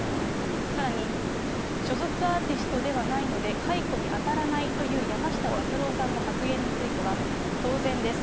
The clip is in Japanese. さらに、所属アーティストではないので、解雇に当たらないという山下達郎さんの発言については、当然です。